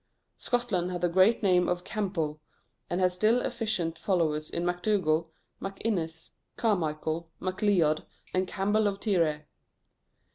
Scotland had the great name of Campbell, and has still efficient followers in MacDougall, MacInnes, Carmichael, MacLeod, and Campbell of Tiree.